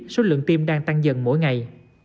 số lượng tiêm đang tăng dần mỗi ngày